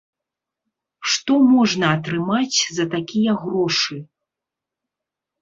Што можна атрымаць за такія грошы?